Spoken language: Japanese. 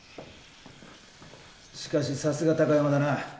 しかしさすが貴山だな。